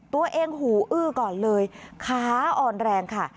ตัวเองหูอื้อก่อนเลยค้าอ่อนแรงค่ะ